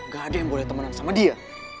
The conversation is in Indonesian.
gak ada yang boleh temenan sama dia